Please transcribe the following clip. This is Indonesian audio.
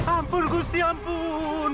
ampun gusti ampun